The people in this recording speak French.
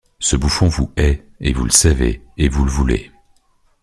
Ce bouffon vous hait, et vous le savez, et vous le voulez.